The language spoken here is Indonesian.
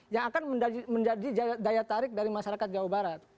yang akan menjadi daya tarik dari masyarakat jawa barat